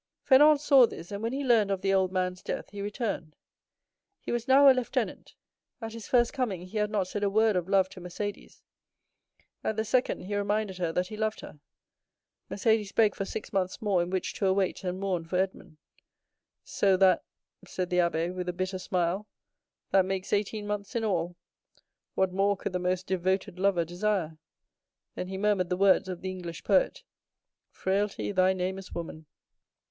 Fernand saw this, and when he learned of the old man's death he returned. He was now a lieutenant. At his first coming he had not said a word of love to Mercédès; at the second he reminded her that he loved her. "Mercédès begged for six months more in which to await and mourn for Edmond." "So that," said the abbé, with a bitter smile, "that makes eighteen months in all. What more could the most devoted lover desire?" Then he murmured the words of the English poet, "'Frailty, thy name is woman.